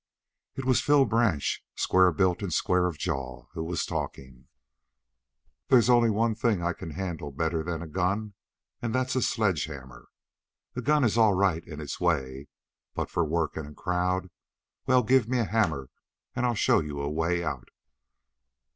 It was Phil Branch, square built and square of jaw, who was talking. "There's only one thing I can handle better than a gun, and that's a sledgehammer. A gun is all right in its way, but for work in a crowd, well, give me a hammer and I'll show you a way out."